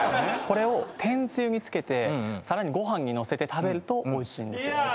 これを天つゆにつけてさらにご飯に載せて食べるとおいしいんですよ。